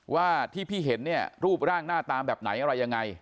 ว่าที่พี่เห็นเนี่ยรูปร่างหน้าตาแบบไหนอะไรยังไง